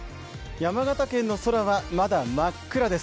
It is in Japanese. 山形県の空はまだ真っ暗です。